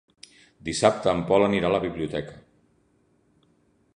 Dissabte en Pol anirà a la biblioteca.